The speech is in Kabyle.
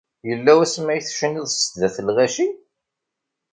Yella wasmi ay tecniḍ sdat lɣaci?